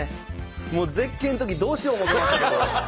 もう絶景のときどうしよう思うてましたけど。